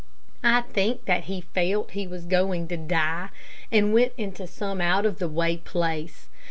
I think that he felt he was going to die, and went into some out of the way place.